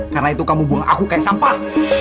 karena itu kamu buang aku kayak sampah